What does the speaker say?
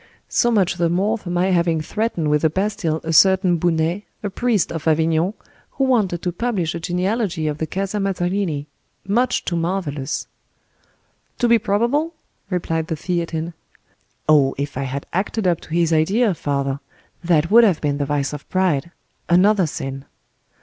"So much the more for my having threatened with the Bastile a certain Bounet, a priest of Avignon, who wanted to publish a genealogy of the Casa Mazarini much too marvelous." "To be probable?" replied the Theatin. "Oh! if I had acted up to his idea, father, that would have been the vice of pride—another sin."